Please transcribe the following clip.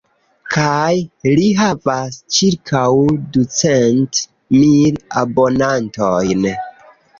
Kaj li havas ĉirkaŭ ducent mil abonantojn.